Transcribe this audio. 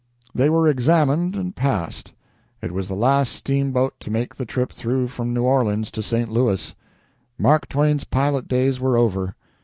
They were examined and passed. It was the last steamboat to make the trip through from New Orleans to St. Louis. Mark Twain's pilot days were over.